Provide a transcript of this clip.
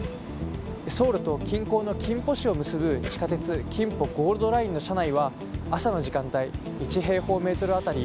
ソウルと近郊のキンポ市を結ぶ地下鉄キンポゴールドラインの車内は朝の時間帯１平方メートル当たり